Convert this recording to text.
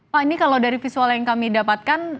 pak ini kalau dari visual yang kami dapatkan